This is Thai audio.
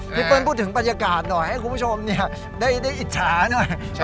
เปิ้ลพูดถึงบรรยากาศหน่อยให้คุณผู้ชมได้อิจฉาหน่อย